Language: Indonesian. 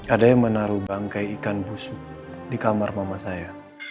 ada yang menaruh bangkai ikan busuk di kamar mama saya